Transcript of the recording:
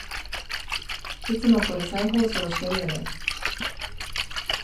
いつもこれ再放送してるよね